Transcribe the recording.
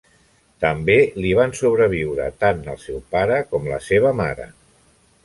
També li van sobreviure tant el seu pare com la seva mare.